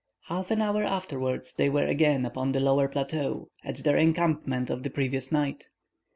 Half an hour afterwards they were again upon the lower plateau, at their encampment of the previous night.